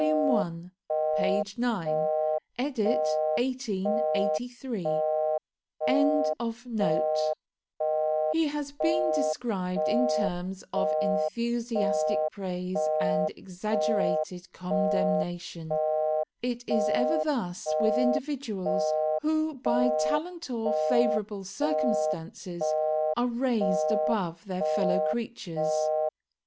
i. p. 9, edit. 1883).] He has been described in terms of enthusiastic praise and exaggerated condemnation. It is ever thus with individuals who by talent or favourable circumstances are raised above their fellow creatures.